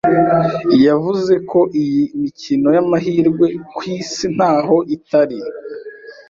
yavuze ko iyi imikino y’amahirwe ku Isi ntaho itari,